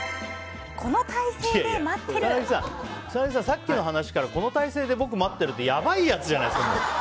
草なぎさん、さっきの話からこの体勢で待っているってやばいやつじゃないですか。